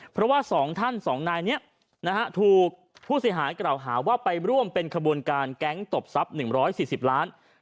เพราะว่า๒ท่าน๒นายนี้ถูกผู้เสียหายกล่าวหาว่าไปร่วมเป็นขบวนการแก๊งตบทรัพย์๑๔๐ล้าน